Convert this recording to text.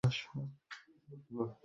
আমাকেও আপনার সাথে নিয়েন।